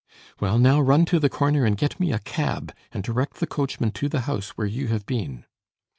"Well, now run to the corner and get me a cab, and direct the coachman to the house where you have been."